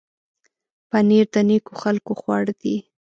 پنېر د نېکو خلکو خواړه دي.